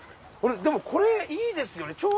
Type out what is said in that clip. でもこれいいですよね。